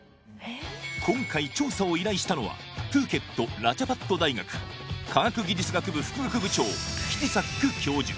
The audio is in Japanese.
今回調査を依頼したのはプーケットラチャパット大学科学技術学部副学部長キティサック教授